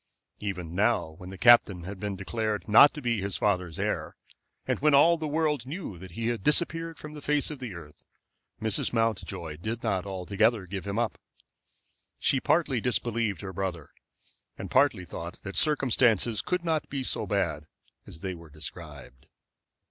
Even now, when the captain had been declared not to be his father's heir, and when all the world knew that he had disappeared from the face of the earth, Mrs. Mountjoy did not altogether give him up. She partly disbelieved her brother, and partly thought that circumstances could not be so bad as they were described.